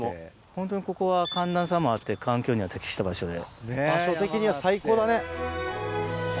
ホントにここは寒暖差もあって環境には適した場所で。